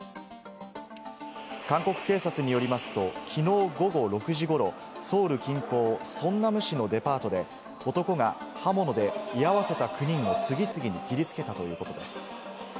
韓国警察によりますと、きのう午後６時ごろ、ソウル近郊ソンナム市のデパートで男が刃物で居合わせた９人を次々と切りつけたということです。